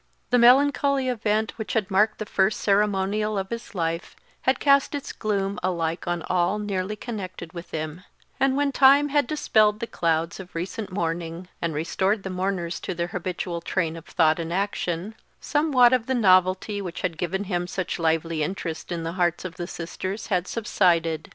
The melancholy event which had marked the first ceremonial of his life had cast its gloom alike on all nearly connected with him; and when time had dispelled the clouds of recent mourning, and restored the mourners to their habitual train of thought and action, somewhat of the novelty which had given him such lively interest in the hearts of the sisters had subsided.